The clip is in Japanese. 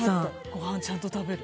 ご飯ちゃんと食べる。